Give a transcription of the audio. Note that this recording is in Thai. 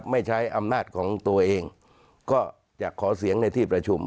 ไม่ใช้อำนาจของตัวเองก็จะขอเสียงในที่ประชุม